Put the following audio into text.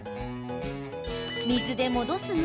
水で戻すの？